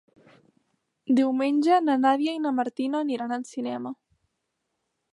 Diumenge na Nàdia i na Martina aniran al cinema.